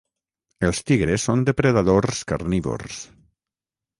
Els tigres són depredadors carnívors.